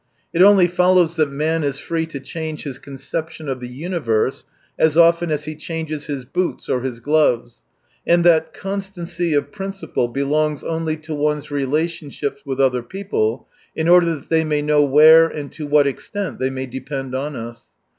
It only follows that man is free to change his conception of the universe as often as he changes his boots or his gloves, and that constancy of principle belongs only to one's relationships with other people, in order that they may know where and to what extent they may depend on us.